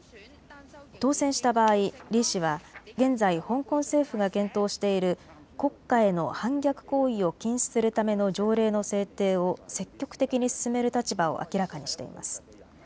当選した場合、李氏は現在、香港政府が検討している国会への反逆行為を禁止するための条例の制定を積極的に進める立場を明らかにしています。